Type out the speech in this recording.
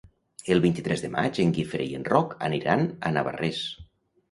El vint-i-tres de maig en Guifré i en Roc aniran a Navarrés.